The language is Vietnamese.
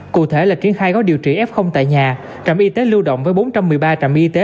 cụ thể là triển khai gói điều trị f tại nhà trạm y tế lưu động với bốn trăm một mươi ba trạm y tế